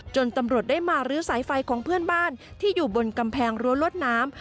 ตำรวจได้มารื้อสายไฟของเพื่อนบ้านที่อยู่บนกำแพงรั้วรวดน้ำ